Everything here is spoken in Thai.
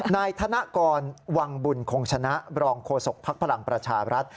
นายธนกรวังบุญคงชนะรองโฆษกภักดิ์พลังประชารัฐ